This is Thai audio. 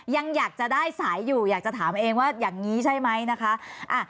ยังอยากจะได้สายอยู่อยากจะถามเองว่าอย่างนี้ใช่ไหมนะคะ